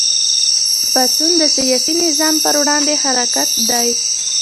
پاڅون د سیاسي نظام په وړاندې حرکت دی.